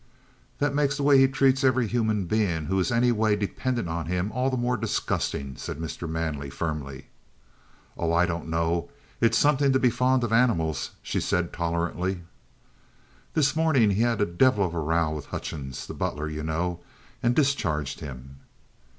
"That makes the way he treats every human being who is in any way dependent on him all the more disgusting," said Mr. Manley firmly. "Oh, I don't know. It's something to be fond of animals," she said tolerantly. "This morning he had a devil of a row with Hutchings, the butler, you know, and discharged him."